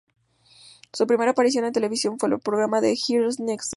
Su primera aparición en televisión fue en el programa "The Girls Next Door".